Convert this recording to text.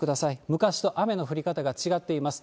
昔と雨の降り方が違っています。